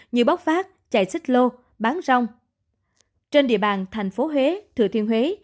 như bóc phát chạy xích lô bán rong trên địa bàn thành phố huế thừa thiên huế